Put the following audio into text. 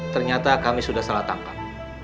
ternyata kami sudah salah tangkap